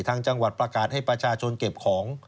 ทางจังหวัดประกาศให้ประชาชนเก็บของ